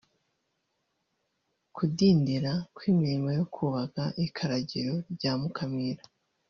Kudindira kw’imirimo yo kubaka ikaragiro rya Mukamira